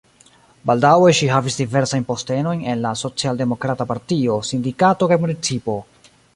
Baldaŭe ŝi havis diversajn postenojn en la socialdemokrata partio, sindikato kaj municipo.